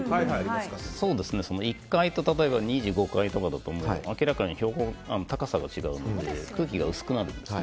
１階と２５階とかだと明らかに高さが違うので空気が薄くなるんです。